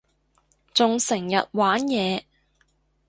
仲成日玩嘢